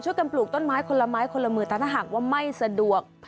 ช่วยกันปลูกต้นไม้คนละไม้คนละมือตามหากว่าไม่สะดวก